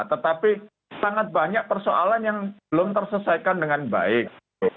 tetapi sangat banyak persoalan yang belum terselesaikan dengan baik